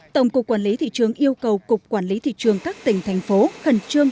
tổng cục quản lý thị trường yêu cầu cục quản lý thị trường các tỉnh thành phố khẩn trương